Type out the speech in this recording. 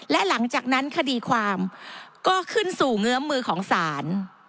และหลังจากนั้นคดีความก็ขึ้นสู่เงื้อมมือของศาล